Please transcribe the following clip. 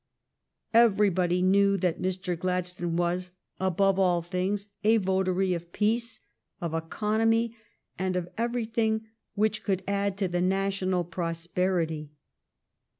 Everybody knew that Mr. Gladstone was, above all things, a votary of peace, of economy, and of everything which could add to the national prosperity.